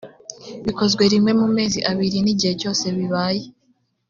bikozwe rimwe mu mezi abiri n’igihe cyose bibaye